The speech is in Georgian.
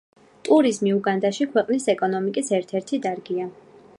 ტურიზმი უგანდაში ქვეყნის ეკონომიკის ერთ-ერთი დარგია.